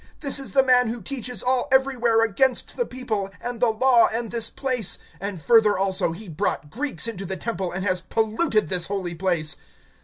This is the man who teaches all, everywhere, against the people, and the law, and this place; and further also, he brought Greeks into the temple, and has polluted this holy place.